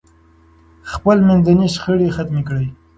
خپل منځي شخړې ختمې کړئ.